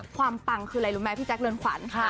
ปังคืออะไรรู้ไหมพี่แจ๊คเรือนขวัญ